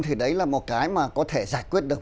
thì đấy là một cái mà có thể giải quyết được